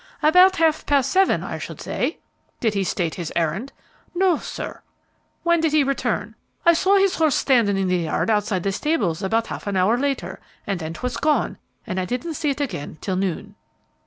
"About half past seven, I should say." "Did he state his errand?" "No, sir." "When did he return?" "I saw his horse standing in the yard outside the stables about half an hour after, and then 'twas gone, and I didn't see it again till noon."